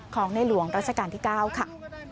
ของในหลวงรัชกาลที่๙ค่ะ